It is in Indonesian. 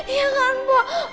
iya kan pak